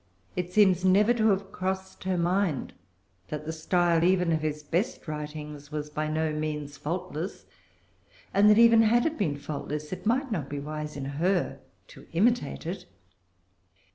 It seems never to have crossed her mind that the style even of his best writings was by no means faultless, and that even had it been faultless it might not be wise in her to imitate it.